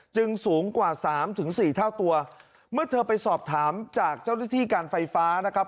สูงกว่าสามถึงสี่เท่าตัวเมื่อเธอไปสอบถามจากเจ้าหน้าที่การไฟฟ้านะครับ